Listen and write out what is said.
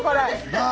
なあ。